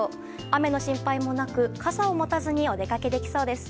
雨の心配もなく、傘を持たずにお出かけできそうです。